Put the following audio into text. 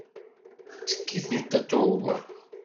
Ttekkit deg Tatoeba.